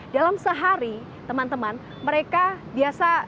dalam sehari teman teman mereka biasa harus berhenti